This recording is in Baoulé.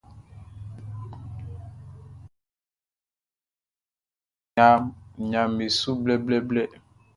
Aunmuanʼn fita nɲaʼm be su blɛblɛblɛ.